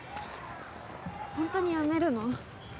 ホントにやめるの？